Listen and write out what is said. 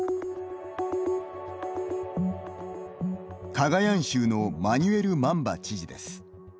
カガヤン州のマニュエル・マンバ知事です。